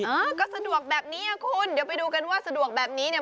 เออก็สะดวกแบบนี้อ่ะคุณเดี๋ยวไปดูกันว่าสะดวกแบบนี้เนี่ย